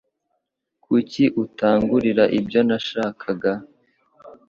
Kuki utangurira ibyo nashakaga?